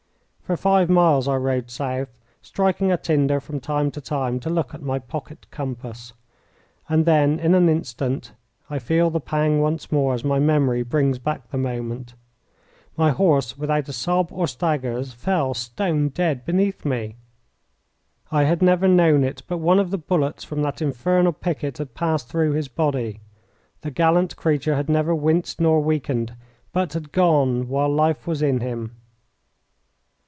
For five miles I rode south, striking a tinder from time to time to look at my pocket compass. And then in an instant I feel the pang once more as my memory brings back the moment my horse, without a sob or staggers fell stone dead beneath me! I had never known it, but one of the bullets from that infernal picket had passed through his body. The gallant creature had never winced nor weakened, but had gone while life was in him.